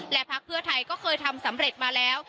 และพักเพื่อไทยก็เคยทำสำเร็จมาแล้ว